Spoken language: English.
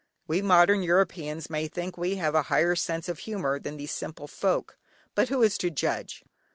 We modern Europeans may think we have a higher sense of humour than these simple folk; but who is to judge?